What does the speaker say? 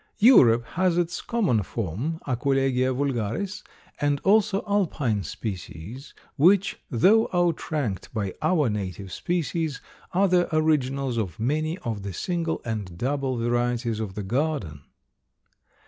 Europe has its common form (Aquilegia vulgaris) and also Alpine species, which, though outranked by our native species, are the originals of many of the single and double varieties of the garden.